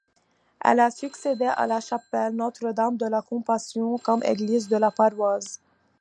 Elle a succédé à la chapelle Notre-Dame-de-la-Compassion comme église de la paroisse.